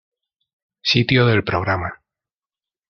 Sitio del programa